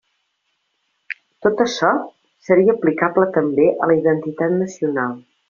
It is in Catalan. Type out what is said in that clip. Tot açò seria aplicable també a la identitat nacional.